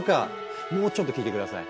もうちょっと聞いて下さい。